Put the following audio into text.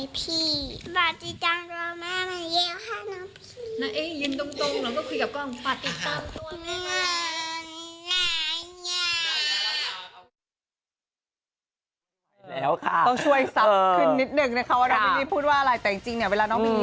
พี่ปาติตามตัวแม่มาเยี่ยมค่ะน้องพี่